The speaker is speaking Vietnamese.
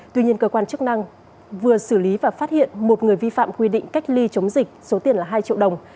tuy nhiên cơ quan chức năng vừa xử lý và phát hiện một người vi phạm quy định cách ly chống dịch số tiền là hai triệu đồng